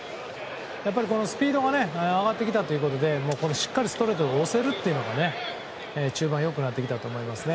スピードが上がってきたということでしっかりストレートで押せるというのが中盤、良くなったと思います。